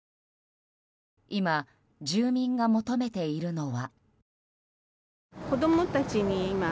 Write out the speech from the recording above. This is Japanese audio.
今、住民が求めているのは。